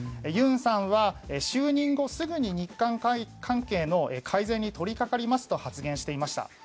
尹さんは就任後すぐに日韓関係の改善に取りかかりますと発言していました。